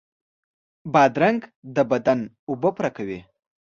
بادرنګ د بدن اوبه پوره کوي.